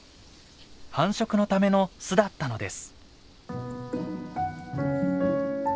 繁殖のための巣だったのです。